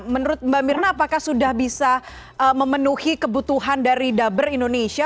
menurut mbak mirna apakah sudah bisa memenuhi kebutuhan dari daber indonesia